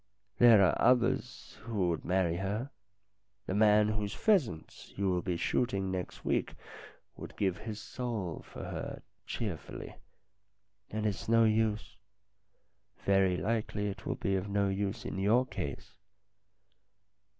There are others who would marry her. The man whose pheasants you will be shooting next week would give his soul for her cheerfully, and it's no use. Very likely it will be of no use in your case."